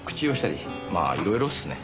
まあいろいろっすね。